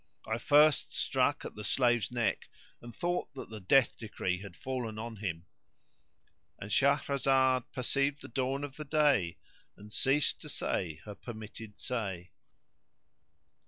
I first struck at the slave's neck and thought that the death decree had fallen on him:"And Shahrazad perceived the dawn of day and ceased to say her permitted say.